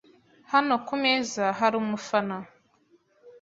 Hano kumeza hari umufana .